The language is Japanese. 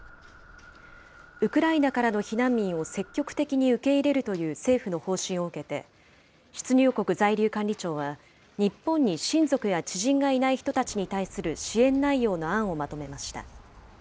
ウクライナからの避難民を積極的に受け入れるという政府の方針を受けて、出入国在留管理庁は、日本に親族や知人がいない人たちに対する支援内容の案をまとめました。